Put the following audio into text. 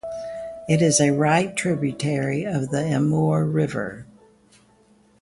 It is a right tributary of the Amur River.